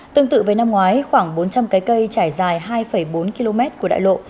tương tự với năm ngoái khoảng bốn trăm linh cái cây trải dài hai bốn km của đại lộ